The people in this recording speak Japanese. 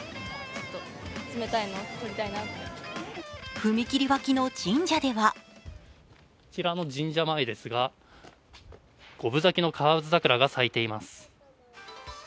踏切脇の神社ではこちらの神社前ですが５分咲きの河津桜が咲いています。